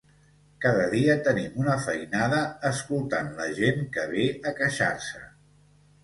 Cada dia tenim una feinada escoltant la gent que ve a queixar-se